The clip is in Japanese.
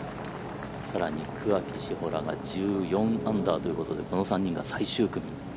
更に桑木志帆らが１４アンダーということでこの３人が最終組。